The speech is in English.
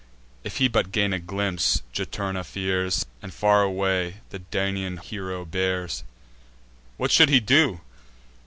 If he but gain a glimpse, Juturna fears, And far away the Daunian hero bears. What should he do!